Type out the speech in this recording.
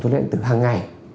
thuốc lá điện tử hằng ngày